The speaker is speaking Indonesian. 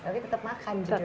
tapi tetep makan jujurnya ya